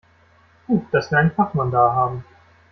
Gut, dass wir einen Fachmann da haben.